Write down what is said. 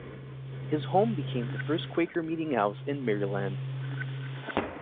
His home became the first Quaker meeting house in Maryland.